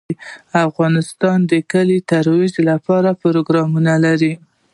افغانستان د کلي د ترویج لپاره پروګرامونه لري.